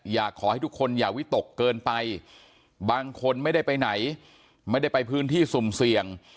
อยากให้ทุกคนอย่าวิตกเกินไปบางคนไม่ได้ไปไหนไม่ได้ไปพื้นที่สุ่มเสี่ยง